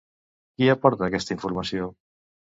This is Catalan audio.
Qui aporta aquesta informació?